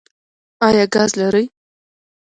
ایا ګاز لرئ؟